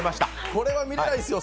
これは見れないですよ